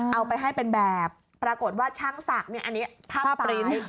เอาไปให้เป็นแบบปรากฏว่าช่างศักดิ์เนี่ยอันนี้ภาพสตรีท